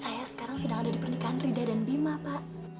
saya sekarang sedang ada di pernikahan ride dan bima pak